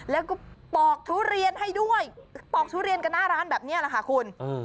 แล้วก็ปอกทุเรียนให้ด้วยปอกทุเรียนกันหน้าร้านแบบนี้แหละค่ะคุณ